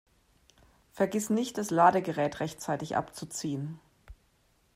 Vergiss nicht, das Ladegerät rechtzeitig abzuziehen!